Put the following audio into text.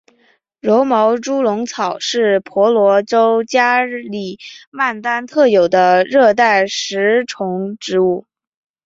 柔毛猪笼草是婆罗洲加里曼丹特有的热带食虫植物。